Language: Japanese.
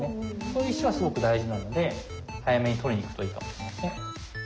そういう石はすごく大事なので早めに取りにいくといいかも。